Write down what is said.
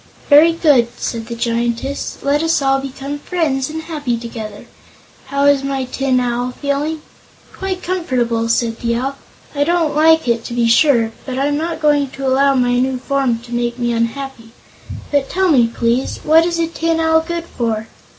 "Very good," said the Giantess. "Let us all become friends and be happy together. How is my Tin Owl feeling?" "Quite comfortable," said the Owl. "I don't like it, to be sure, but I'm not going to allow my new form to make me unhappy. But, tell me, please: what is a Tin Owl good for?"